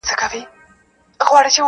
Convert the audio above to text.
ټول مرغان دي په یوه خوله او سلا وي-